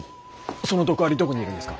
その毒アリどこにいるんですか！？